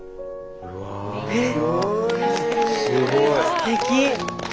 すてき！